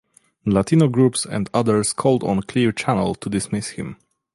Latino groups and others called on Clear Channel to dismiss him.